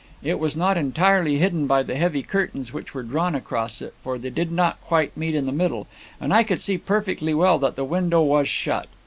It was not entirely hidden by the heavy curtains which were drawn across it, for they did not quite meet in the middle, and I could see perfectly well that the window was shut.